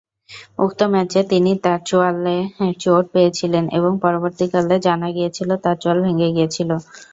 উক্ত ম্যাচে তিনি তার চোয়ালে চোট পেয়েছিলেন এবং পরবর্তীকালে জানা গিয়েছিল তার চোয়াল ভেঙ্গে গিয়েছিল।